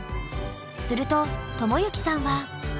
すると知之さんは。